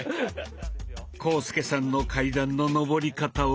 浩介さんの階段の上り方は。